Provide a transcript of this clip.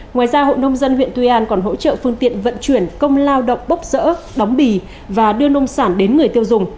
ngoài ra hội nông dân huyện tuy an còn hỗ trợ phương tiện vận chuyển công lao động bốc rỡ đóng bì và đưa nông sản đến người tiêu dùng